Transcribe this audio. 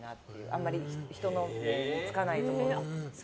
あんまり人の目につかないところ。